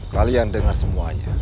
kalian dengar semuanya